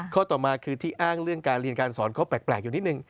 ข้อต่อมาคือที่อ้างเรื่องการเรียนการสอนเขาแปลกอยู่นิดนึง